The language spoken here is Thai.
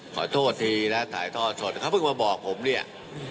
ขอโทษทีนะถ่ายท่อสดเขาเพิ่งมาบอกผมเนี่ย